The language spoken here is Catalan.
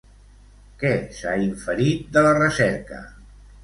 Què s'ha inferit de la recerca?